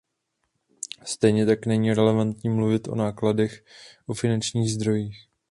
Stejně tak není relevantní mluvit o nákladech, o finančních zdrojích.